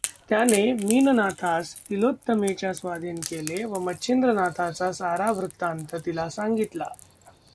त्यानें मीननाथास तिलोत्तमेच्या स्वाधीन केलें व मच्छिंद्रनाथाचा सारा वृत्तांत तिला सांगितला.